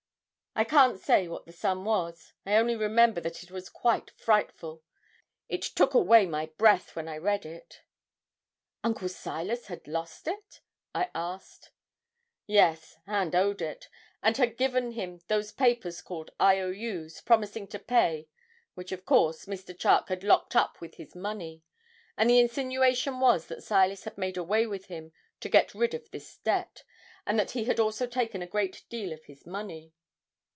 I can't say what the sum was. I only remember that it was quite frightful. It took away my breath when I read it.' 'Uncle Silas had lost it?' I asked. 'Yes, and owed it; and had given him those papers called I.O.U.'s promising to pay, which, of course, Mr. Charke had locked up with his money; and the insinuation was that Silas had made away with him, to get rid of this debt, and that he had also taken a great deal of his money.